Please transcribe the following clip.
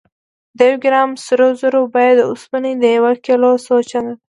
د یو ګرام سرو زرو بیه د اوسپنې د یو کیلو څو چنده ده.